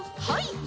はい。